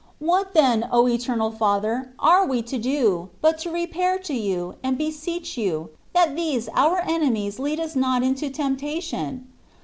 What then, O eternal Father! are we to do, but to repair to You, and beseech You, that these our enemies lead us not into temptation?